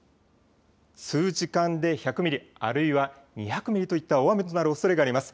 数時間で１００ミリ、あるいは２００ミリといった大雨となるおそれがあります。